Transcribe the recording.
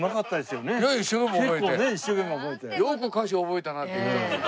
よく歌詞覚えたなって。